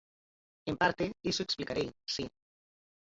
En parte, iso explicarei, si.